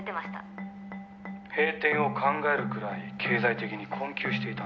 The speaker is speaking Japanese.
「閉店を考えるくらい経済的に困窮していたんですか？」